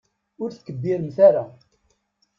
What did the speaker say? Ur tkebbiremt ara.